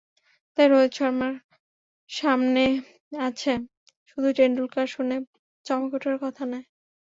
তাই রোহিত শর্মার সামনে আছেন শুধুই টেন্ডুলকার শুনে চমকে ওঠার কথা নয়।